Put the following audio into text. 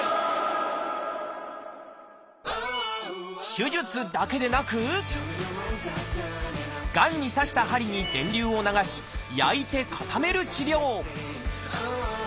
手術だけでなくがんに刺した針に電流を流し焼いて固める治療